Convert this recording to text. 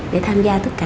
để tham gia tất cả